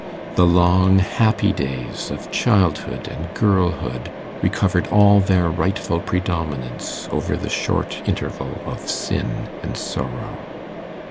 The long happy days of childhood and girlhood recovered all their rightful predominance over the short interval of sin and sorrow.